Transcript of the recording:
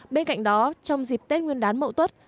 bên cạnh đó trong dịp tết nguyên đán mậu tuất